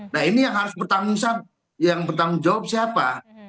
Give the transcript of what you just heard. nah ini yang harus bertanggung jawab siapa